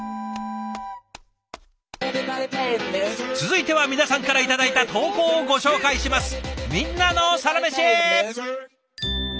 続いては皆さんから頂いた投稿をご紹介します。